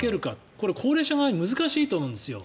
これは高齢者側は難しいと思うんです。